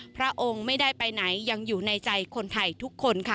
พระองค์ไม่ได้ไปไหนยังอยู่ในใจคนไทยทุกคนค่ะ